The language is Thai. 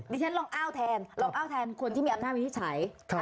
ฉันลองอ้างแทนลองอ้างแทนคนที่มีอำนาจวินิจฉัย